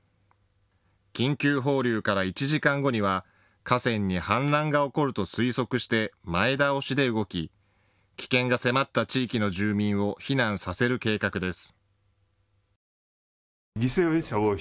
緊急放流から１時間後には河川に氾濫が起こると推測して前倒しで動き危険が迫った地域の住民を避難させる計画です。